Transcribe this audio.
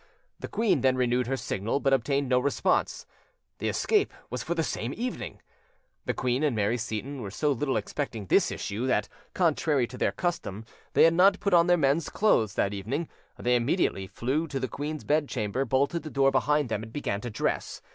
The queen then renewed her signal, but obtained no response: the escape was for the same evening. The queen and Mary Seyton were so little expecting this issue, that, contrary to their custom, they had not put on their men's clothes that evening. They immediately flew to the queen's bed chamber, bolted the door behind them, and began to dress.